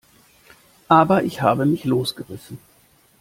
Aber ich habe mich losgerissen.